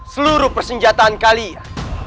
seluruh persenjataan kalian